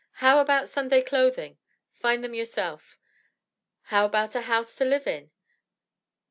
"How about Sunday clothing?" "Find them yourself?" "How about a house to live in?"